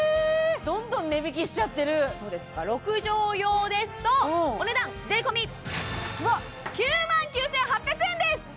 どんどん値引きしちゃってる６畳用ですとお値段税込９万９８００円です！